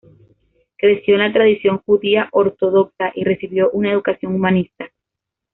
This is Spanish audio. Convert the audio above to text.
Creció en la tradición judía ortodoxa y recibió una educación humanista.